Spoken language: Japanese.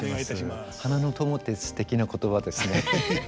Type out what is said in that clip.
花の友ってすてきな言葉ですね。